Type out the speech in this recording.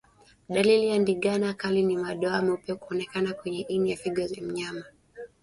Dalili ya ndigana kali ni madoa meupe kuonekana kwenye ini na figo za mnyama